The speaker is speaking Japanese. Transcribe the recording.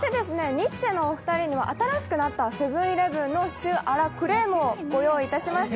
ニッチェのお二人には、新しくなったセブンーイレブンのシュー・ア・ラ・クレームをご用意いたしました。